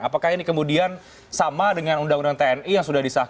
apakah ini kemudian sama dengan undang undang tni yang sudah disahkan